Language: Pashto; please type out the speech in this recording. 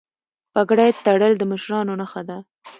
پګړۍ تړل د مشرانو نښه ده.